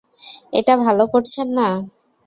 এটা ভালো করছেন না।